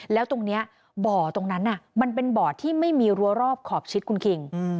แล้วตรงนี้บ่อตรงนั้นมันเป็นบ่อที่ไม่มีรัวรอบขอบชิดคุณคิง